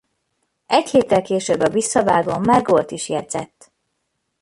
Egy héttel később a visszavágón már gólt is jegyzett.